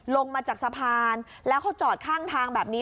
ลงมาจากสะพานแล้วเขาจอดข้างทางแบบนี้